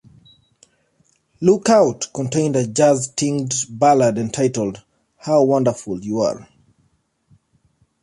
"Look Out" contained a jazz-tinged ballad entitled "How Wonderful You Are".